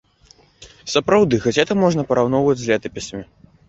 Сапраўды, газеты можна параўнаць з летапісамі.